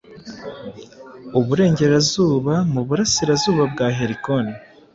Uburengerazuba mu Burasirazuba bwa Helicon